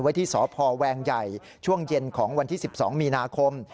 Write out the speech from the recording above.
ที่สพแวงใหญ่ช่วงเย็นของวันที่๑๒มีนาคม